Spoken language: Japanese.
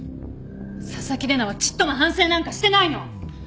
紗崎玲奈はちっとも反省なんかしてないの。